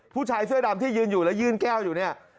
ผู้ชายเสื้อดำที่ยืนอยู่แล้วยื่นแก้วอยู่เนี่ย